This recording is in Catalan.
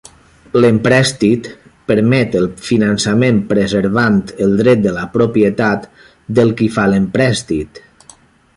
L'emprèstit permet el finançament preservant el dret de propietat del qui fa l'emprèstit.